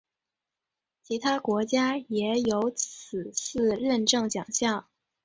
其他国家也有类似认证奖项。